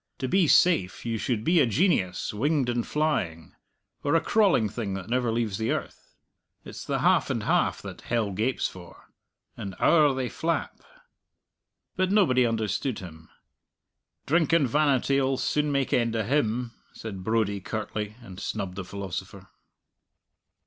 "To be safe you should be a genius winged and flying, or a crawling thing that never leaves the earth. It's the half and half that hell gapes for. And owre they flap." But nobody understood him. "Drink and vanity'll soon make end of him," said Brodie curtly, and snubbed the philosopher.